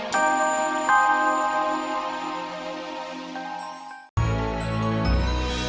terima kasih pak